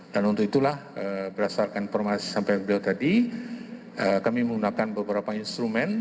dan untuk itulah berdasarkan informasi sampai sebelum tadi kami menggunakan beberapa instrumen